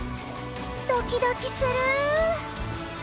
ドキドキする！